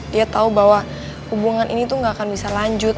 dia tahu bahwa hubungan ini tuh gak akan bisa lanjut